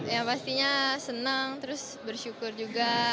ya pastinya senang terus bersyukur juga